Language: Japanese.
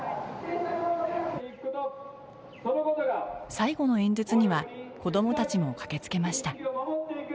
最後の演説には子どもたちも駆けつけました